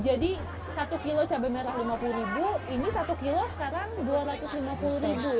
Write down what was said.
jadi satu kilo cabai merah lima puluh ribu ini satu kilo sekarang dua ratus lima puluh ribu